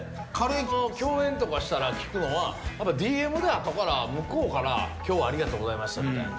共演とかしたら聞くのはＤＭで後から向こうから「今日はありがとうございました」みたいな。